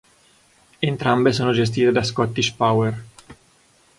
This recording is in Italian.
Entrambe sono gestite da Scottish Power.